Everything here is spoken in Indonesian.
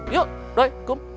yuk doi kum